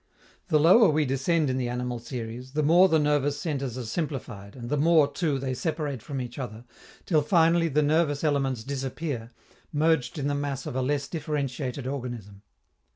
The lower we descend in the animal series, the more the nervous centres are simplified, and the more, too, they separate from each other, till finally the nervous elements disappear, merged in the mass of a less differentiated organism.